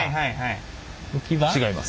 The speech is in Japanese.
違います。